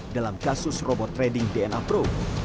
dalam kasus robot trading dna pro